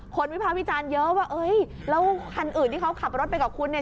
วิภาควิจารณ์เยอะว่าเอ้ยแล้วคันอื่นที่เขาขับรถไปกับคุณเนี่ย